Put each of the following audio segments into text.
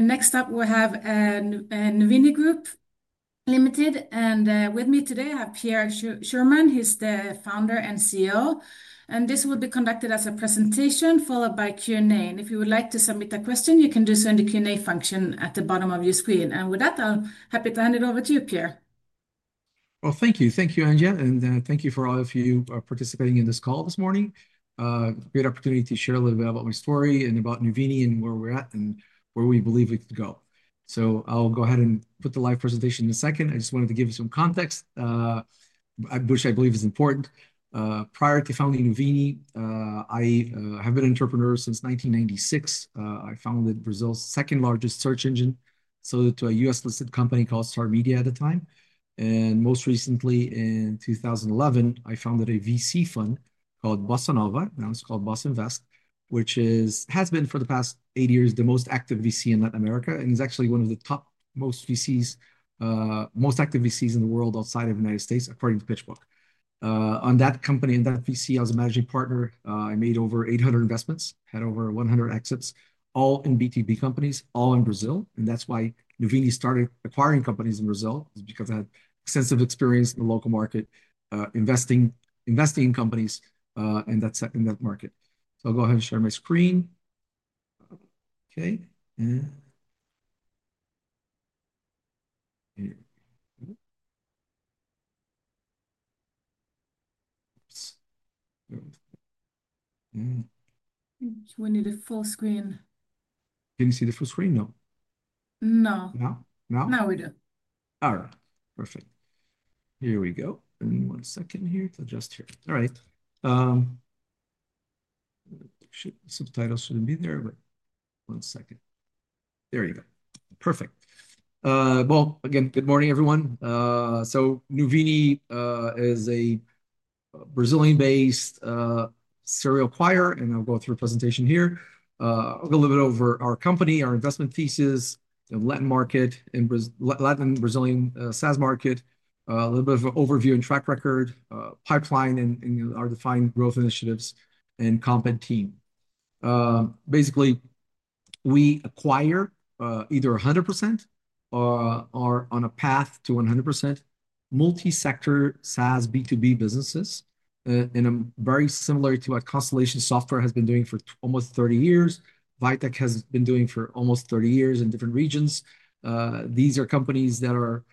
Next up, we have Nvni Group Ltd. With me today, I have Pierre Schurmann. He's the founder and CEO. This will be conducted as a presentation followed by Q&A. If you would like to submit a question, you can do so in the Q&A function at the bottom of your screen. With that, I'm happy to hand it over to you, Pierre. Thank you, Angela. And thank you for all of you participating in this call this morning. Great opportunity to share a little bit about my story and about Nvni and where we're at and where we believe we could go. I'll go ahead and put the live presentation in a second. I just wanted to give you some context, which I believe is important. Prior to founding Nvni, I have been an entrepreneur since 1996. I founded Brazil's second largest search engine, sold it to a U.S.-listed company called Star Media at the time. Most recently, in 2011, I founded a VC fund called Bossa Nova. Now it's called Bossa Invest, which has been for the past eight years the most active VC in Latin America and is actually one of the top most active VCs in the world outside of the United States, according to PitchBook. On that company and that VC, I was a managing partner. I made over 800 investments, had over 100 exits, all in B2B companies, all in Brazil. That is why Nvni started acquiring companies in Brazil, is because I had extensive experience in the local market, investing in companies in that market. I'll go ahead and share my screen. Okay. Do we need a full screen? Can you see the full screen? No. No. Now? Now? Now we do. All right. Perfect. Here we go. Give me one second here to adjust here. All right. Subtitles should not be there, but one second. There you go. Perfect. Again, good morning, everyone. Nvni is a Brazilian-based serial acquirer, and I will go through a presentation here. I will go a little bit over our company, our investment thesis, the Latin market, and Latin-Brazilian SaaS market, a little bit of an overview and track record, pipeline, and our defined growth initiatives, and comp and team. Basically, we acquire either 100% or are on a path to 100% multi-sector SaaS B2B businesses in a very similar way to what Constellation Software has been doing for almost 30 years. Vitec has been doing for almost 30 years in different regions. These are companies that are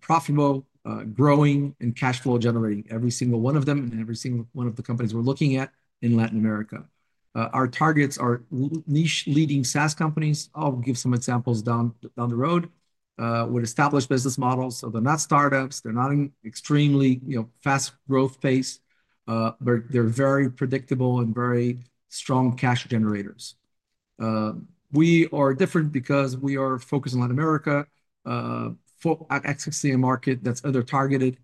profitable, growing, and cash flow generating, every single one of them and every single one of the companies we're looking at in Latin America. Our targets are niche-leading SaaS companies. I'll give some examples down the road with established business models. They are not startups. They are not in extremely fast growth pace, but they are very predictable and very strong cash generators. We are different because we are focused on Latin America, exiting a market that is under-targeted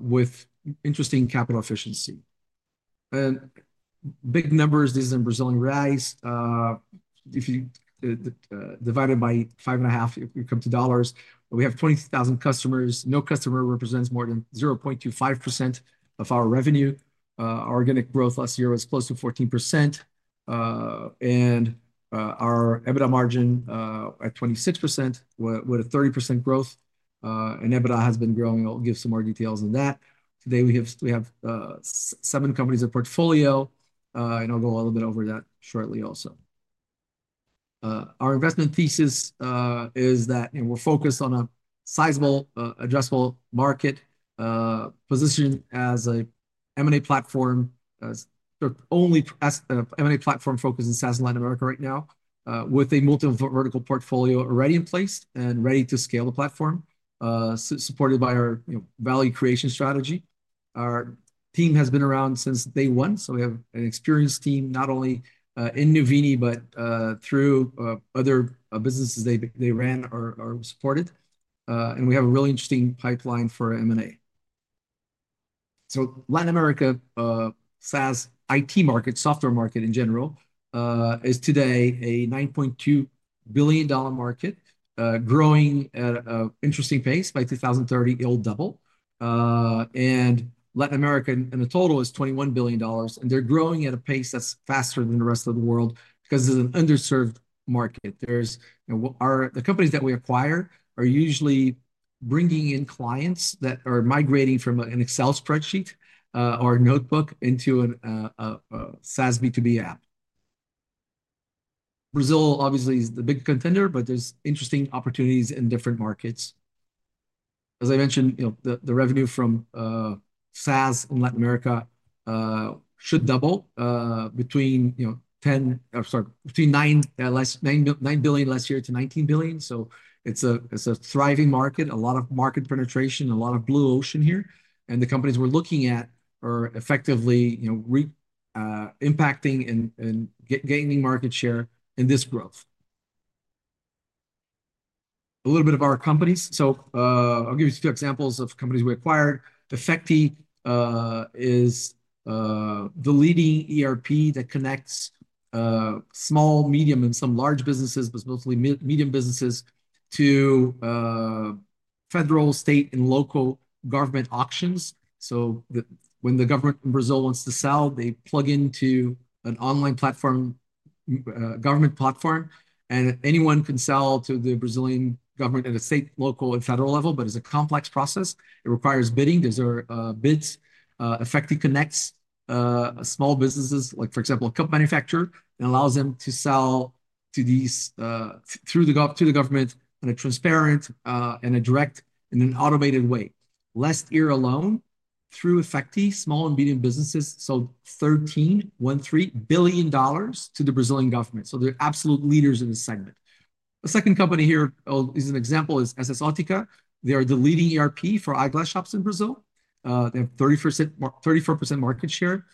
with interesting capital efficiency. Big numbers, this is in BRL. If you divide it by 5.5, you come to dollars. We have 20,000 customers. No customer represents more than 0.25% of our revenue. Our organic growth last year was close to 14%. Our EBITDA margin at 26% with a 30% growth. EBITDA has been growing. I'll give some more details on that. Today, we have seven companies in portfolio. I'll go a little bit over that shortly also. Our investment thesis is that we're focused on a sizable, addressable market position as an M&A platform, only M&A platform focused in SaaS in Latin America right now, with a multiple vertical portfolio already in place and ready to scale the platform, supported by our value creation strategy. Our team has been around since day one. We have an experienced team not only in Nvni, but through other businesses they ran or supported. We have a really interesting pipeline for M&A. Latin America SaaS IT market, software market in general, is today a $9.2 billion market, growing at an interesting pace. By 2030, it'll double. Latin America in total is $21 billion. They're growing at a pace that's faster than the rest of the world because it's an underserved market. The companies that we acquire are usually bringing in clients that are migrating from an Excel spreadsheet or a notebook into a SaaS B2B app. Brazil, obviously, is the big contender, but there's interesting opportunities in different markets. As I mentioned, the revenue from SaaS in Latin America should double between $9 billion last year and $19 billion. It's a thriving market, a lot of market penetration, a lot of blue ocean here. The companies we're looking at are effectively impacting and gaining market share in this growth. A little bit of our companies. I'll give you two examples of companies we acquired. Effecti is the leading ERP that connects small, medium, and some large businesses, but mostly medium businesses, to federal, state, and local government auctions. When the government in Brazil wants to sell, they plug into an online platform, government platform, and anyone can sell to the Brazilian government at a state, local, and federal level, but it is a complex process. It requires bidding. There are bids. Effecti connects small businesses, like for example, a cup manufacturer, and allows them to sell through the government in a transparent and a direct and an automated way. Last year alone, through Effecti, small and medium businesses sold $13.13 billion to the Brazilian government. They are absolute leaders in this segment. A second company here as an example is ssOtica. They are the leading ERP for eyeglass shops in Brazil. They have 34% market share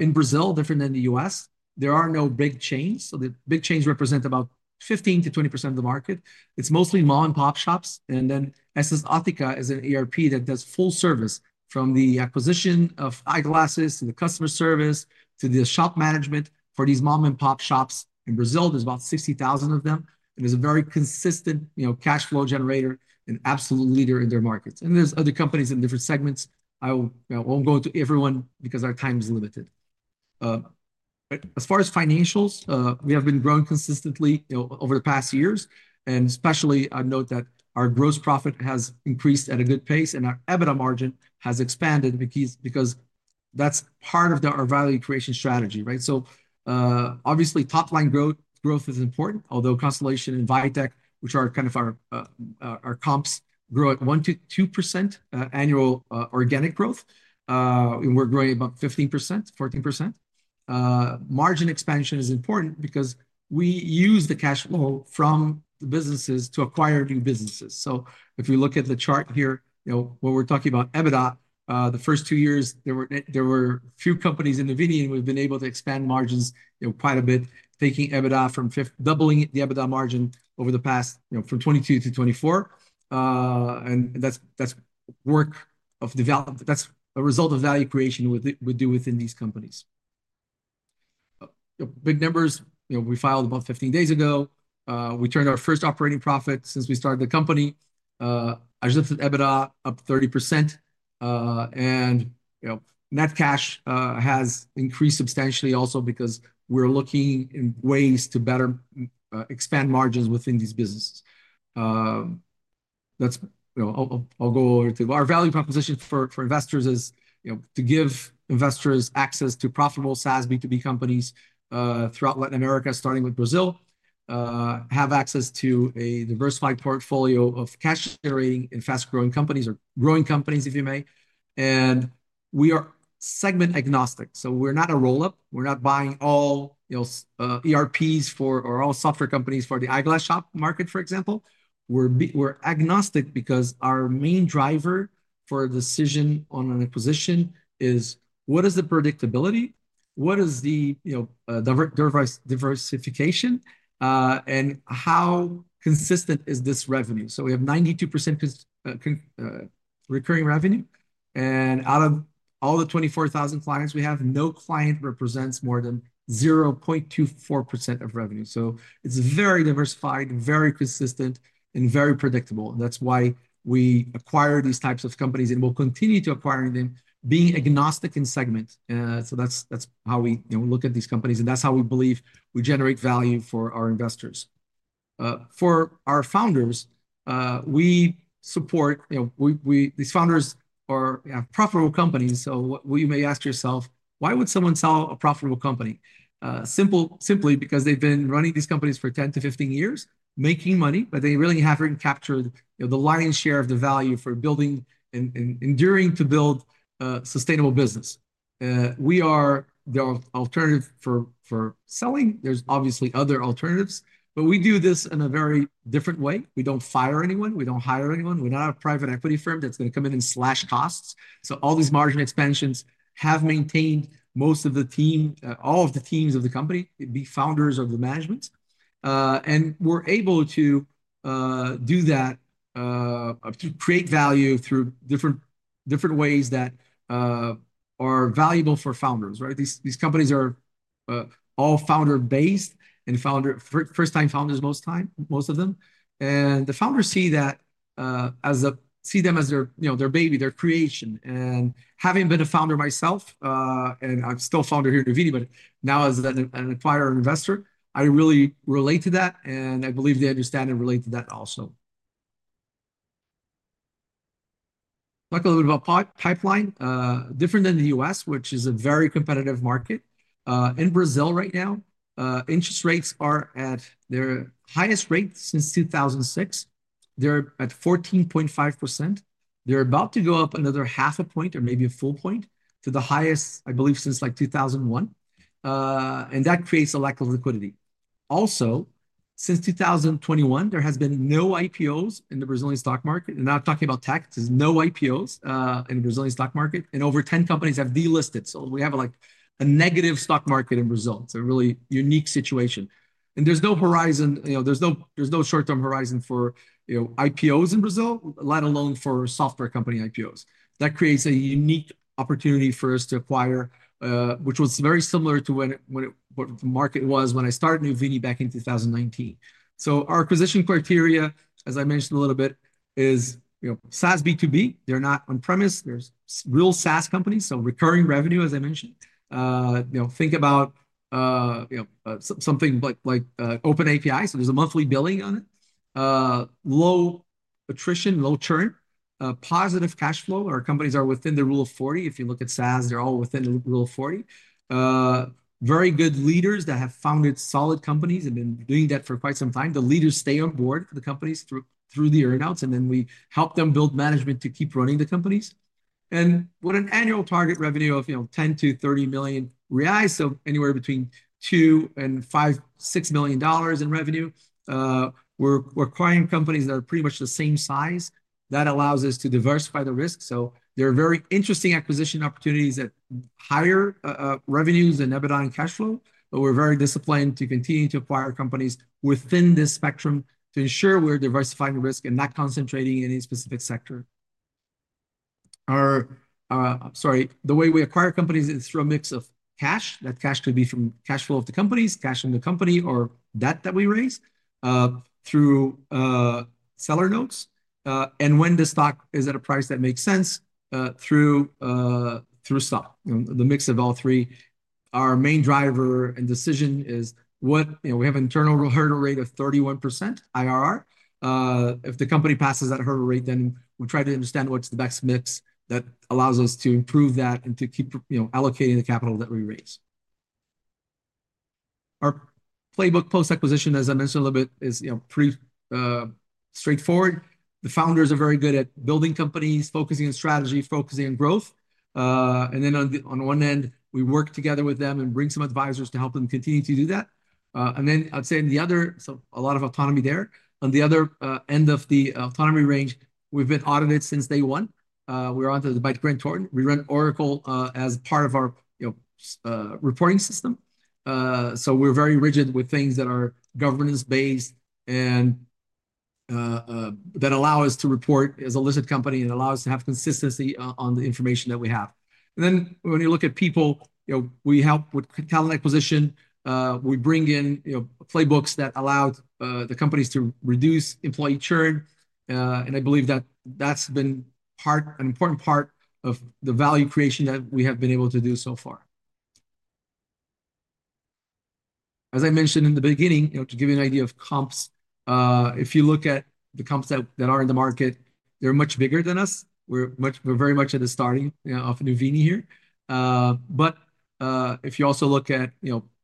in Brazil, different than the U.S. There are no big chains. The big chains represent about 15%-20% of the market. It is mostly mom-and-pop shops. ssOtica is an ERP that does full service from the acquisition of eyeglasses to the customer service to the shop management for these mom-and-pop shops in Brazil. There are about 60,000 of them. It is a very consistent cash flow generator and absolute leader in their markets. There are other companies in different segments. I will not go into everyone because our time is limited. As far as financials, we have been growing consistently over the past years. Especially, I note that our gross profit has increased at a good pace and our EBITDA margin has expanded because that is part of our value creation strategy, right? Obviously, top-line growth is important, although Constellation and Vitec, which are kind of our comps, grow at 1%-2% annual organic growth. We are growing about 15%, 14%. Margin expansion is important because we use the cash flow from the businesses to acquire new businesses. If you look at the chart here, when we are talking about EBITDA, the first two years, there were a few companies in Nvni and we have been able to expand margins quite a bit, taking EBITDA from doubling the EBITDA margin over the past from 2022-2024. That is work of development. That is a result of value creation we do within these companies. Big numbers, we filed about 15 days ago. We turned our first operating profit since we started the company. I just looked at EBITDA, up 30%. Net cash has increased substantially also because we're looking in ways to better expand margins within these businesses. I'll go over to our value proposition for investors is to give investors access to profitable SaaS B2B companies throughout Latin America, starting with Brazil, have access to a diversified portfolio of cash generating and fast-growing companies or growing companies, if you may. We are segment agnostic. We're not a roll-up. We're not buying all ERPs or all software companies for the eyeglass shop market, for example. We're agnostic because our main driver for a decision on an acquisition is what is the predictability, what is the diversification, and how consistent is this revenue. We have 92% recurring revenue. Out of all the 24,000 clients we have, no client represents more than 0.24% of revenue. It's very diversified, very consistent, and very predictable. That's why we acquire these types of companies and we'll continue to acquire them, being agnostic in segment. That's how we look at these companies. That's how we believe we generate value for our investors. For our founders, we support these founders who have profitable companies. You may ask yourself, why would someone sell a profitable company? Simply because they've been running these companies for 10-15 years, making money, but they really haven't captured the lion's share of the value for building and enduring to build a sustainable business. We are the alternative for selling. There are obviously other alternatives, but we do this in a very different way. We don't fire anyone. We don't hire anyone. We're not a private equity firm that's going to come in and slash costs. All these margin expansions have maintained most of the team, all of the teams of the company, the founders of the management. We are able to do that, to create value through different ways that are valuable for founders, right? These companies are all founder-based and first-time founders, most of them. The founders see them as their baby, their creation. Having been a founder myself, and I am still a founder here in Nvni, but now as an acquirer and investor, I really relate to that. I believe they understand and relate to that also. Talk a little bit about pipeline. Different than the U.S., which is a very competitive market. In Brazil right now, interest rates are at their highest rate since 2006. They are at 14.5%. They're about to go up another half a point or maybe a full point to the highest, I believe, since like 2001. That creates a lack of liquidity. Also, since 2021, there has been no IPOs in the Brazilian stock market. Now talking about tech, there's no IPOs in the Brazilian stock market. Over 10 companies have delisted. We have a negative stock market in Brazil. It's a really unique situation. There's no horizon. There's no short-term horizon for IPOs in Brazil, let alone for software company IPOs. That creates a unique opportunity for us to acquire, which was very similar to what the market was when I started Nvni back in 2019. Our acquisition criteria, as I mentioned a little bit, is SaaS B2B. They're not on-premise. They're real SaaS companies. Recurring revenue, as I mentioned. Think about something like OpenAPI. There is a monthly billing on it. Low attrition, low churn, positive cash flow. Our companies are within the rule of 40. If you look at SaaS, they are all within the rule of 40. Very good leaders that have founded solid companies and been doing that for quite some time. The leaders stay on board for the companies through the earnouts. We help them build management to keep running the companies. With an annual target revenue of 10 million-30 million reais, so anywhere between $2 million and $5 million, $6 million in revenue, we are acquiring companies that are pretty much the same size. That allows us to diversify the risk. There are very interesting acquisition opportunities at higher revenues and EBITDA and cash flow. We're very disciplined to continue to acquire companies within this spectrum to ensure we're diversifying risk and not concentrating in any specific sector. Sorry, the way we acquire companies is through a mix of cash. That cash could be from cash flow of the companies, cash in the company, or debt that we raise through seller notes. When the stock is at a price that makes sense, through stock. The mix of all three. Our main driver and decision is we have an internal hurdle rate of 31% IRR. If the company passes that hurdle rate, then we try to understand what's the best mix that allows us to improve that and to keep allocating the capital that we raise. Our playbook post-acquisition, as I mentioned a little bit, is pretty straightforward. The founders are very good at building companies, focusing on strategy, focusing on growth. Then on one end, we work together with them and bring some advisors to help them continue to do that. I'd say on the other, so a lot of autonomy there. On the other end of the autonomy range, we've been audited since day one. We're on to the Grant Thornton. We run Oracle as part of our reporting system. We are very rigid with things that are governance-based and that allow us to report as a listed company and allow us to have consistency on the information that we have. When you look at people, we help with talent acquisition. We bring in playbooks that allow the companies to reduce employee churn. I believe that that's been an important part of the value creation that we have been able to do so far. As I mentioned in the beginning, to give you an idea of comps, if you look at the comps that are in the market, they're much bigger than us. We're very much at the starting of Nvni here. If you also look at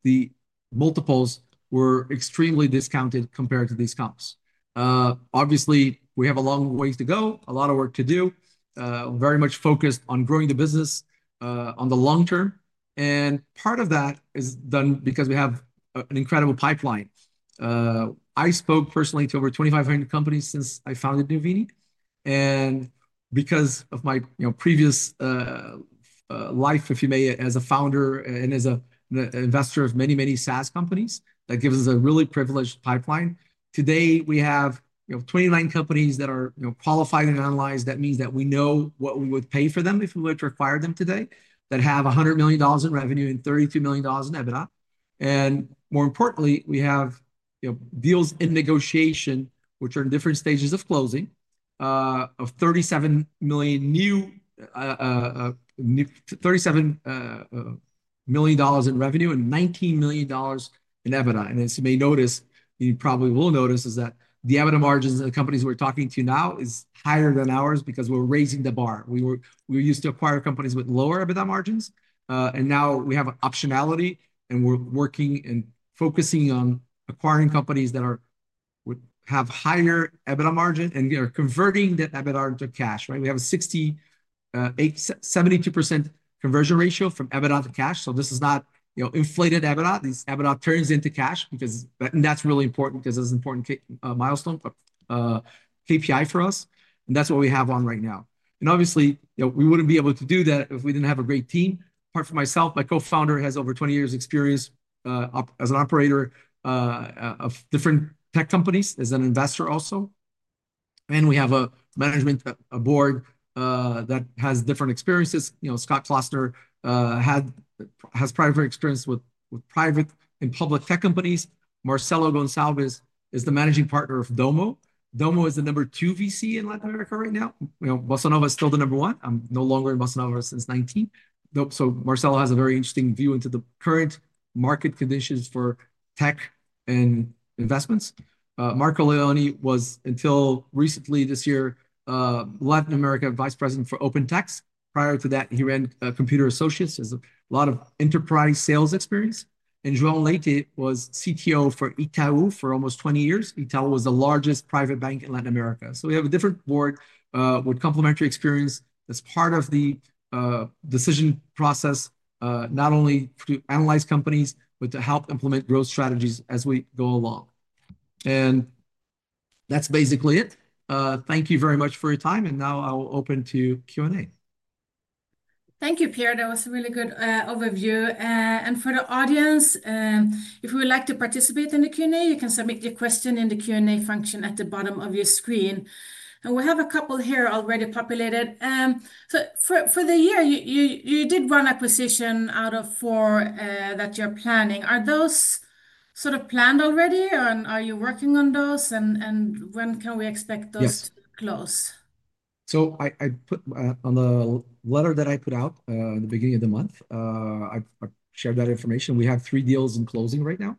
the multiples, we're extremely discounted compared to these comps. Obviously, we have a long way to go, a lot of work to do, very much focused on growing the business on the long term. Part of that is done because we have an incredible pipeline. I spoke personally to over 2,500 companies since I founded Nvni. Because of my previous life, if you may, as a founder and as an investor of many, many SaaS companies, that gives us a really privileged pipeline. Today, we have 29 companies that are qualified and analyzed. That means that we know what we would pay for them if we were to acquire them today that have $100 million in revenue and $32 million in EBITDA. More importantly, we have deals in negotiation, which are in different stages of closing, of $37 million in revenue and $19 million in EBITDA. As you may notice, you probably will notice is that the EBITDA margins of the companies we're talking to now is higher than ours because we're raising the bar. We were used to acquire companies with lower EBITDA margins. Now we have optionality. We're working and focusing on acquiring companies that have higher EBITDA margin and are converting that EBITDA into cash, right? We have a 72% conversion ratio from EBITDA to cash. This is not inflated EBITDA. This EBITDA turns into cash because that's really important because it's an important milestone KPI for us. That's what we have on right now. Obviously, we wouldn't be able to do that if we didn't have a great team. Apart from myself, my co-founder has over 20 years' experience as an operator of different tech companies as an investor also. We have a management board that has different experiences. Scott Klossner has experience with private and public tech companies. Marcello Gonçalves is the managing partner of Domo. Domo is the number two VC in Latin America right now. Bossa Invest is still the number one. I'm no longer in Bossa Invest since 2019. Marcelo has a very interesting view into the current market conditions for tech and investments. Marco Leone was until recently this year, Latin America Vice President for OpenText. Prior to that, he ran Computer Associates and has a lot of enterprise sales experience. João Leite was CTO for Itaú for almost 20 years. Itaú was the largest private bank in Latin America. We have a different board with complementary experience that is part of the decision process, not only to analyze companies, but to help implement growth strategies as we go along. That is basically it. Thank you very much for your time. Now I'll open to Q&A. Thank you, Pierre. That was a really good overview. For the audience, if you would like to participate in the Q&A, you can submit your question in the Q&A function at the bottom of your screen. We have a couple here already populated. For the year, you did one acquisition out of four that you are planning. Are those sort of planned already? Are you working on those? When can we expect those to close? On the letter that I put out at the beginning of the month, I shared that information. We have three deals in closing right now.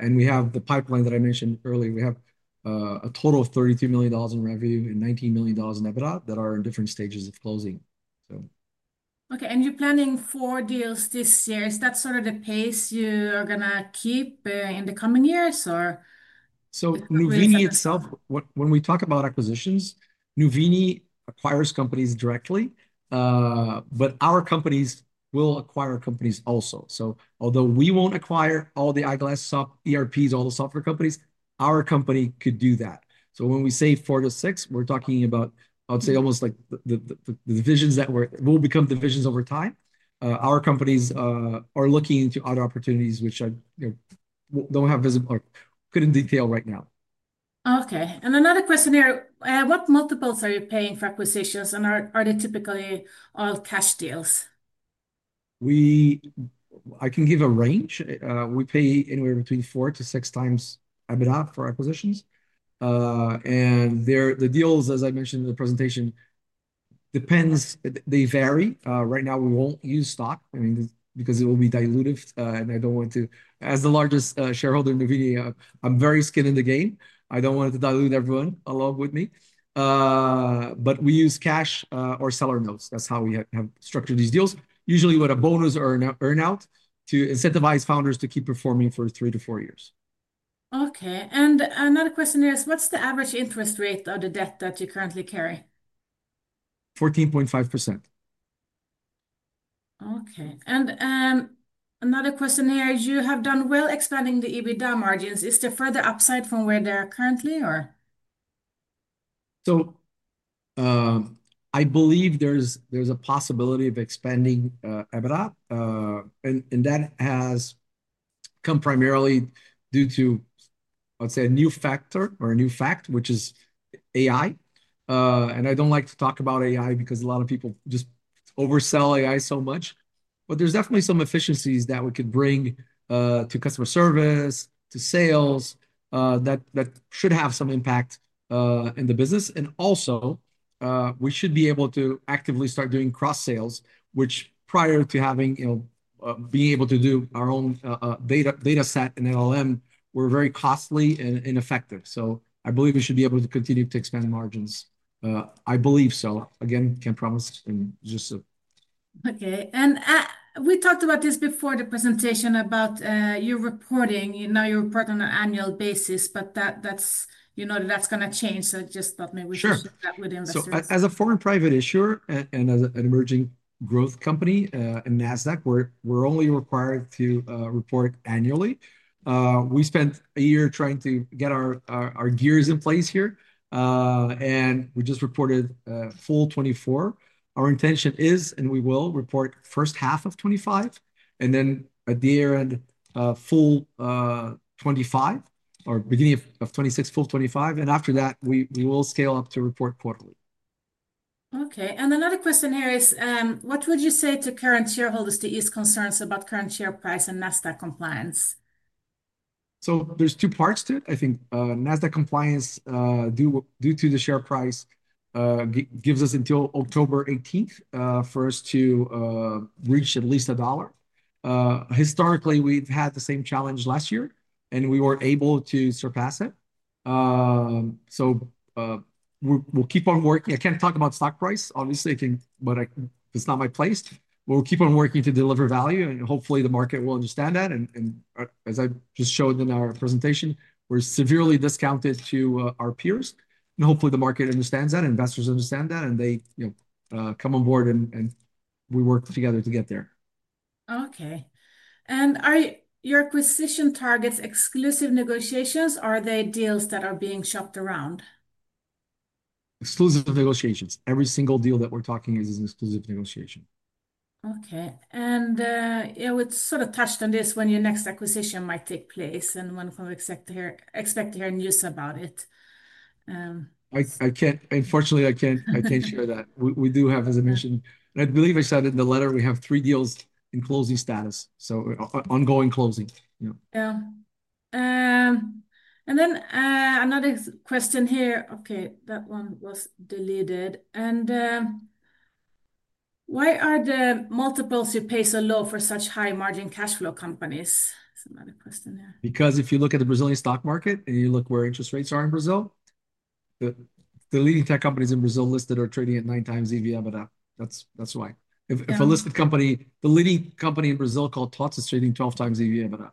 We have the pipeline that I mentioned earlier. We have a total of $32 million in revenue and $19 million in EBITDA that are in different stages of closing. Okay. You are planning four deals this year. Is that sort of the pace you are going to keep in the coming years, or? Nvni itself, when we talk about acquisitions, Nvni acquires companies directly. Our companies will acquire companies also. Although we will not acquire all the eyeglass shop ERPs, all the software companies, our company could do that. When we say four to six, we are talking about, I would say, almost like the divisions that will become divisions over time. Our companies are looking into other opportunities, which I do not have visible or could not detail right now. Okay. Another question here. What multiples are you paying for acquisitions? Are they typically all cash deals? I can give a range. We pay anywhere between 4x-6x EBITDA for acquisitions. The deals, as I mentioned in the presentation, depends. They vary. Right now, we will not use stock because it will be dilutive. I do not want to, as the largest shareholder in Nvni, I am very skin in the game. I do not want to dilute everyone along with me. We use cash or seller notes. That is how we have structured these deals. Usually with a bonus or an earnout to incentivize founders to keep performing for three to four years. Okay. Another question here is, what's the average interest rate of the debt that you currently carry? 14.5%. Okay. Another question here. You have done well expanding the EBITDA margins. Is there further upside from where they are currently, or? I believe there's a possibility of expanding EBITDA. That has come primarily due to, I'd say, a new factor or a new fact, which is AI. I don't like to talk about AI because a lot of people just oversell AI so much. There's definitely some efficiencies that we could bring to customer service, to sales that should have some impact in the business. Also, we should be able to actively start doing cross-sales, which prior to being able to do our own data set and LLM, were very costly and ineffective. I believe we should be able to continue to expand margins. I believe so. Again, can't promise in just a. Okay. We talked about this before the presentation about your reporting. Now you report on an annual basis, but you know that that's going to change. Just let me repeat that with investors. As a foreign private issuer and as an emerging growth company in Nasdaq, we're only required to report annually. We spent a year trying to get our gears in place here. We just reported full 2024. Our intention is, and we will report first half of 2025, and then at the year-end, full 2025, or beginning of 2026, full 2025. After that, we will scale up to report quarterly. Okay. Another question here is, what would you say to current shareholders that is concerns about current share price and Nasdaq compliance? There are two parts to it. I think Nasdaq compliance due to the share price gives us until October 18th for us to reach at least $1. Historically, we've had the same challenge last year, and we were able to surpass it. We'll keep on working. I can't talk about stock price, obviously, but it's not my place. We'll keep on working to deliver value. Hopefully, the market will understand that. As I just showed in our presentation, we're severely discounted to our peers. Hopefully, the market understands that. Investors understand that. They come on board, and we work together to get there. Okay. Are your acquisition targets exclusive negotiations, or are they deals that are being shopped around? Exclusive negotiations. Every single deal that we're talking is an exclusive negotiation. Okay. You sort of touched on this, when your next acquisition might take place and when we expect to hear news about it. Unfortunately, I can't share that. We do have, as I mentioned, and I believe I said in the letter, we have three deals in closing status, so ongoing closing. Yeah. Another question here. Okay. That one was deleted. Why are the multiples you pay so low for such high-margin cash flow companies? It's another question here. Because if you look at the Brazilian stock market and you look where interest rates are in Brazil, the leading tech companies in Brazil listed are trading at 9x EV/EBITDA. That is why. If a listed company, the leading company in Brazil called TOTVS is trading 12x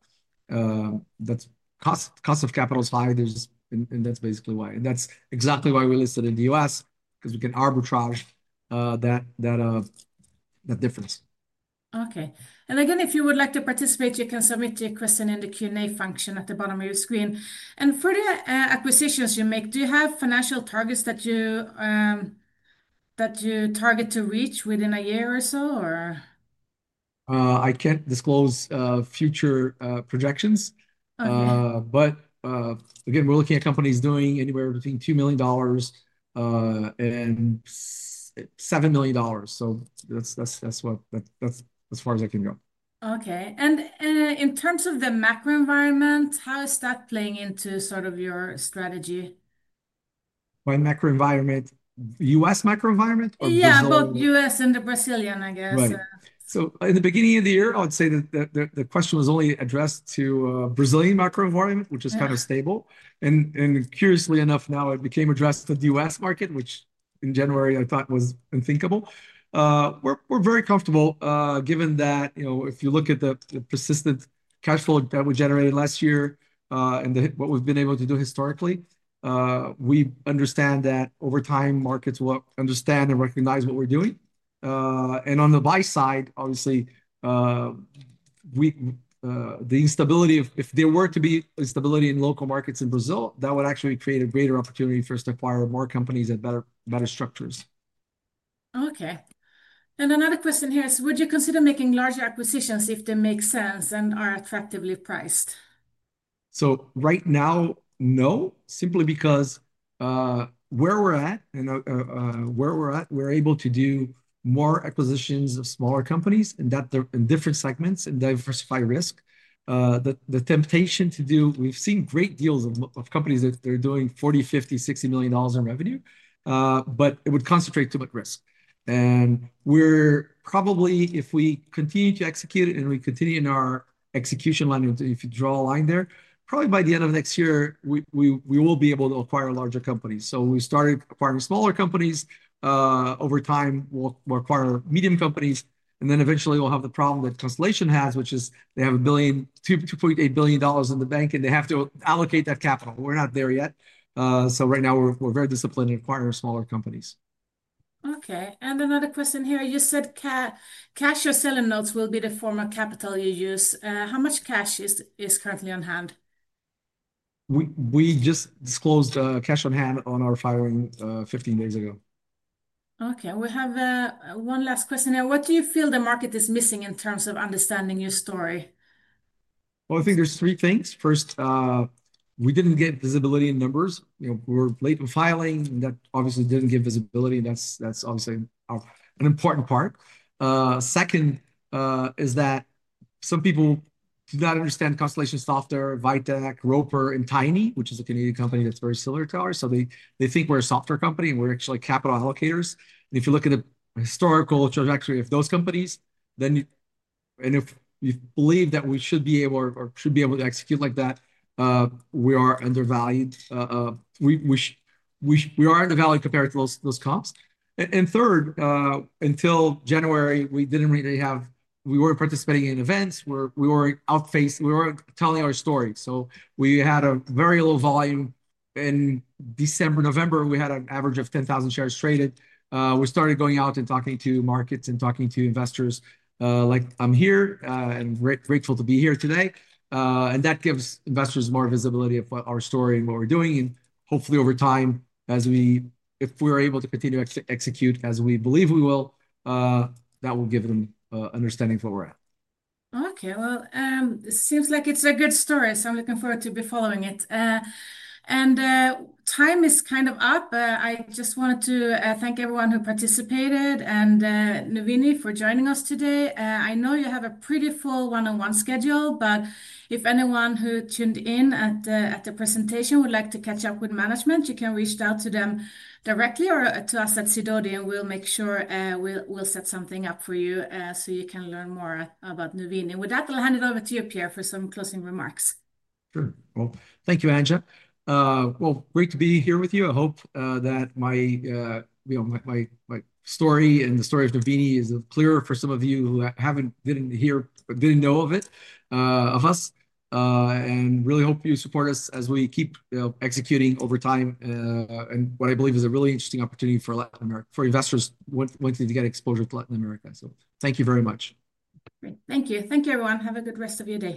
EV/EBITDA. Cost of capital is high. That is basically why. That is exactly why we listed in the U.S. because we can arbitrage that difference. Okay. If you would like to participate, you can submit your question in the Q&A function at the bottom of your screen. For the acquisitions you make, do you have financial targets that you target to reach within a year or so, or? I can't disclose future projections. Again, we're looking at companies doing anywhere between $2 million and $7 million. That's as far as I can go. Okay. In terms of the macro environment, how is that playing into sort of your strategy? My macro environment, U.S. macro environment or Brazilian? Yeah, both U.S. and the Brazilian, I guess. Right. In the beginning of the year, I would say that the question was only addressed to the Brazilian macro environment, which is kind of stable. Curiously enough, now it became addressed to the U.S. market, which in January, I thought was unthinkable. We're very comfortable given that if you look at the persistent cash flow that we generated last year and what we've been able to do historically, we understand that over time, markets will understand and recognize what we're doing. On the buy side, obviously, the instability, if there were to be instability in local markets in Brazil, that would actually create a greater opportunity for us to acquire more companies and better structures. Okay. Another question here is, would you consider making larger acquisitions if they make sense and are attractively priced? Right now, no, simply because where we're at, we're able to do more acquisitions of smaller companies in different segments and diversify risk. The temptation to do, we've seen great deals of companies that are doing $40 million-$50 million-$60 million in revenue, but it would concentrate too much risk. Probably if we continue to execute and we continue in our execution line, if you draw a line there, probably by the end of next year, we will be able to acquire larger companies. We started acquiring smaller companies. Over time, we'll acquire medium companies. Eventually, we'll have the problem that Constellation has, which is they have $2.8 billion in the bank, and they have to allocate that capital. We're not there yet. Right now, we're very disciplined in acquiring smaller companies. Okay. Another question here. You said cash or seller notes will be the form of capital you use. How much cash is currently on hand? We just disclosed cash on hand on our filing 15 days ago. Okay. We have one last question here. What do you feel the market is missing in terms of understanding your story? I think there's three things. First, we didn't get visibility in numbers. We're late in filing. That obviously didn't give visibility. That's obviously an important part. Second is that some people do not understand Constellation Software, Vitec, Roper, and Tiny, which is a Canadian company that's very similar to ours. They think we're a software company and we're actually capital allocators. If you look at the historical trajectory of those companies, and if you believe that we should be able to execute like that, we are undervalued. We are undervalued compared to those comps. Third, until January, we didn't really have, we weren't participating in events. We were outpaced. We weren't telling our story. We had a very low volume. In December, November, we had an average of 10,000 shares traded. We started going out and talking to markets and talking to investors. Like, I'm here and grateful to be here today. That gives investors more visibility of our story and what we're doing. Hopefully, over time, if we're able to continue to execute as we believe we will, that will give them understanding of where we're at. Okay. It seems like it's a good story. I'm looking forward to following it. Time is kind of up. I just wanted to thank everyone who participated and Nvni for joining us today. I know you have a pretty full one-on-one schedule. If anyone who tuned in at the presentation would like to catch up with management, you can reach out to them directly or to us at Cwdy. We'll make sure we'll set something up for you so you can learn more about Nvni. With that, I'll hand it over to you, Pierre, for some closing remarks. Sure. Thank you, Angela. Great to be here with you. I hope that my story and the story of Nvni is clearer for some of you who did not hear, did not know of us, and really hope you support us as we keep executing over time. What I believe is a really interesting opportunity for Latin America, for investors wanting to get exposure to Latin America. Thank you very much. Thank you. Thank you, everyone. Have a good rest of your day.